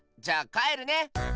じゃあかえるね！